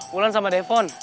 wulan sama defon